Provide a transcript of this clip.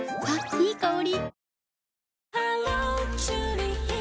いい香り。